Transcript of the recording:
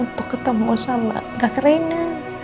untuk ketemu sama kak reina